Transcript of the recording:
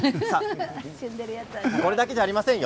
これだけじゃありませんよ。